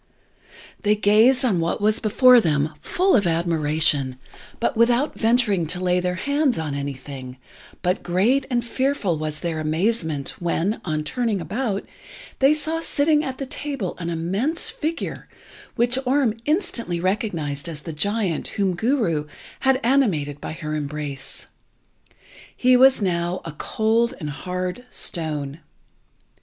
They gazed on what was before them full of admiration, but without venturing to lay their hands on anything; but great and fearful was their amazement when, on turning about, they saw sitting at the table an immense figure, which Orm instantly recognised as the giant whom Guru had animated by her embrace. He was now a cold and hard stone.